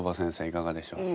いかがでしょう？